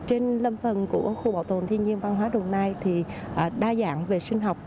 trên lâm phần của khu bảo tồn thiên nhiên văn hóa đồng nai thì đa dạng về sinh học